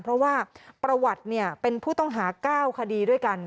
เพราะว่าประวัติเป็นผู้ต้องหา๙คดีด้วยกัน